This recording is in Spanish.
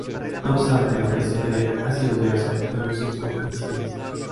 No obstante la presencia de ácidos grasos reduce su incidencia.